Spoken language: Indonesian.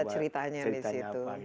ada ceritanya di situ